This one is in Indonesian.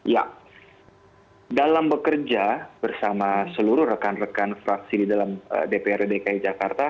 ya dalam bekerja bersama seluruh rekan rekan fraksi di dalam dprd dki jakarta